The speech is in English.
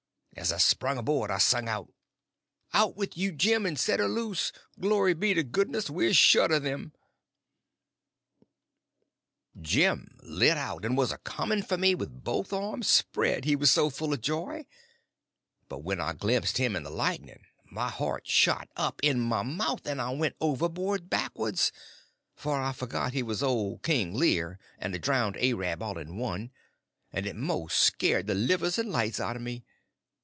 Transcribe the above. As I sprung aboard I sung out: "Out with you, Jim, and set her loose! Glory be to goodness, we're shut of them!" Jim lit out, and was a coming for me with both arms spread, he was so full of joy; but when I glimpsed him in the lightning my heart shot up in my mouth and I went overboard backwards; for I forgot he was old King Lear and a drownded A rab all in one, and it most scared the livers and lights out of me.